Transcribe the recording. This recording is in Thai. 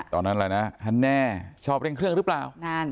ตอนนั้นอะไรนะฮันแน่ชอบเล่นเครื่องรึเปล่า